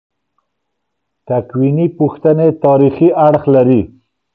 تکویني پوښتنې تاریخي اړخ لري.